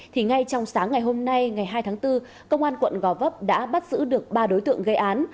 thì ngay trong sáng ngày hôm nay ngày hai tháng bốn công an quận gò vấp đã bắt giữ được ba đối tượng gây án